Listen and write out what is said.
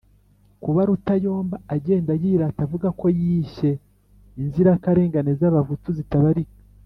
Kuba Rutayomba agenda yirata avuga ko yishye inzirakarengane z'Abahutu zitabarika,